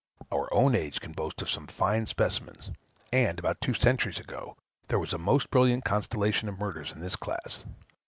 Our own age can boast of some fine specimens; and, about two centuries ago, there was a most brilliant constellation of murders in this class.